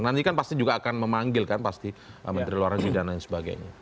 nanti kan pasti juga akan memanggil kan pasti menteri luar negeri dan lain sebagainya